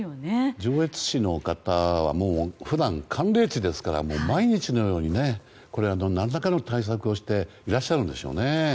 上越市の方は普段、寒冷地ですから毎日のように何らかの対策をしていらっしゃるんでしょうね。